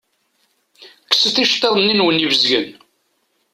Kkset iceṭṭiḍen-nni-nwen ibezgen.